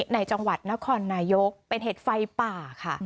ในจังหวัดนครนายกเป็นเหตุไฟป่าค่ะ